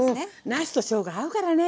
なすとしょうが合うからね。